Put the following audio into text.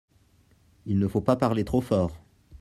Il ne faut pas parler trop fort !